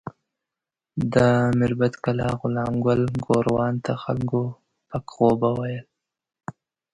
د میربت کلا غلام ګل ګوروان ته خلکو پک غوبه ویل.